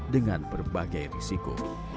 dengan berbagai risiko